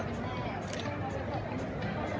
มันเป็นสิ่งที่จะให้ทุกคนรู้สึกว่า